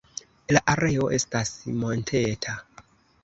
La areo estas monteta.